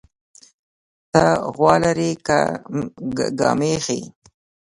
تى غوا لرى كه ګامېښې؟